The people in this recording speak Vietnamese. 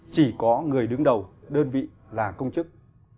chỉ có người đứng đầu đơn vị là công chức